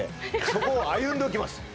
そこを歩んでいきます